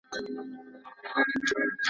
چي افغانان په خپل هیواد کي !.